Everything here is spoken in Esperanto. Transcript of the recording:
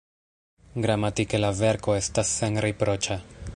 Gramatike la verko estas senriproĉa.